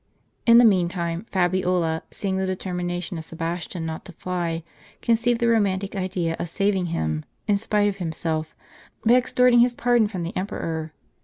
In the meantime, Fabiola, seeing the determination of nrr Sebastian not to fly, conceived the romantic idea of saving him, in spite of himself, by extorting his pardon from the emperor.